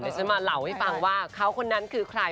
ได้ที่เข้ามาเล่าให้คุณผู้ชมว่าเขาคนนั้นคือใคร